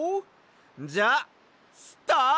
じゃあスタート！